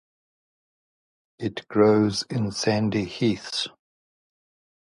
It grows in sandy heaths.